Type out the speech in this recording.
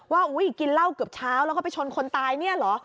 อุ้ยกินเหล้าเกือบเช้าแล้วก็ไปชนคนตายเนี่ยเหรอ